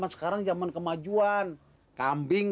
orang bisa begitu dong